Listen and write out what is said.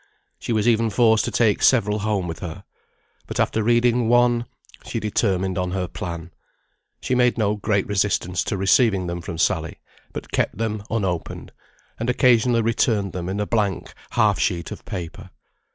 She was even forced to take several home with her. But after reading one, she determined on her plan. She made no great resistance to receiving them from Sally, but kept them unopened, and occasionally returned them in a blank half sheet of paper.